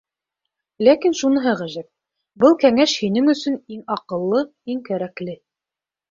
Ләкин шуныһы ғәжәп: был кәңәш һинең өсөн иң аҡыллы, иң кәрәкле.